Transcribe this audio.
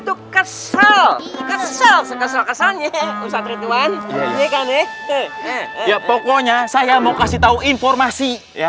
tuh kesel kesel kesel keselnya usah tertuan ya pokoknya saya mau kasih tahu informasi ya